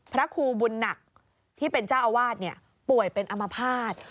พระครูบุญหนักที่เป็นเจ้าอาวาสป่วยเป็นอมภาษณ์